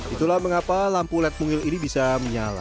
itulah mengapa lampu led mungil ini bisa menyala